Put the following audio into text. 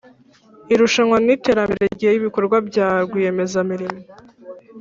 Irushanwa n iterambere ry ibikorwa bya rwiyemezamirimo